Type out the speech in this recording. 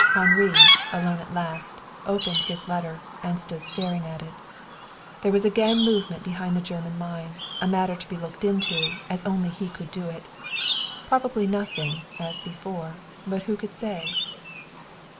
Henri, alone at last, opened his letter, and stood staring at it. There was again movement behind the German line, a matter to be looked into, as only he could do it. Probably nothing, as before; but who could say?